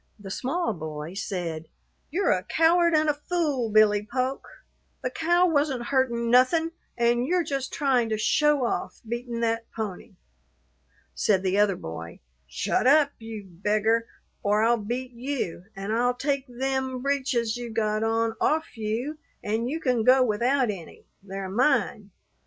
The small boy said, "You're a coward an' a fool, Billy Polk. The cow wasn't hurtin' nothin', an' you're just tryin' to show off, beatin' that pony." Said the other boy, "Shut up, you beggar, or I'll beat you; an' I'll take them breeches you got on off you, an' you can go without any they're mine.